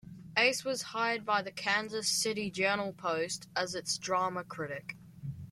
Ace was hired by the "Kansas City Journal-Post" as its drama critic.